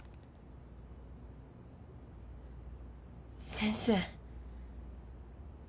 先生。